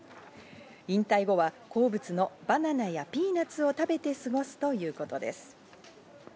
引退後は好物のバナナやピーナツを食べて過ごすということです。